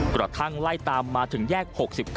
กระทั่งไล่ตามมาถึงแยก๖๙